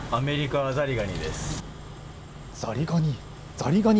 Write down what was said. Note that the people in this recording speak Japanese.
ザリガニ？